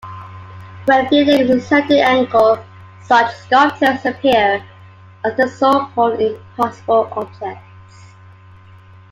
When viewed at a certain angle, such sculptures appear as the so-called impossible objects.